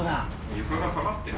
床が下がってる。